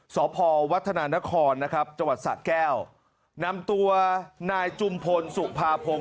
สพวัฒนานครจสแก้วนำตัวนายจุมพลสุขภาพงศ์